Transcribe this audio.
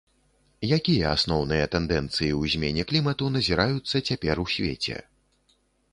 Якія асноўныя тэндэнцыі ў змене клімату назіраюцца цяпер у свеце?